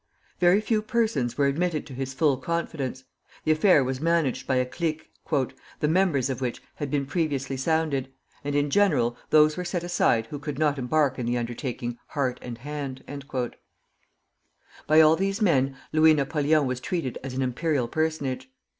Very few persons were admitted to his full confidence; the affair was managed by a clique, "the members of which had been previously sounded; and in general those were set aside who could not embark in the undertaking heart and hand." By all these men Louis Napoleon was treated as an imperial personage.